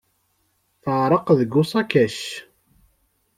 Teɛreq deg usakac.